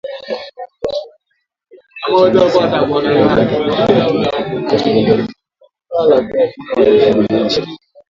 Ripoti hiyo, ambayo ni tathmini ya kila mwaka ya uchumi, ilisema pato la taifa la Uganda kwa kila mtu lilifikia takriban dola mia nane mwaka wa elfu mbili na ishirini.